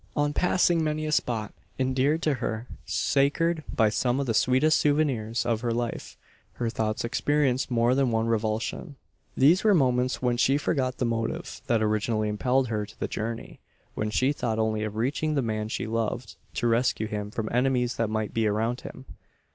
On passing many a spot, endeared to her sacred by some of the sweetest souvenirs of her life her thoughts experienced more than one revulsion. These were moments when she forgot the motive that originally impelled her to the journey when she thought only of reaching the man she loved, to rescue him from enemies that might be around him!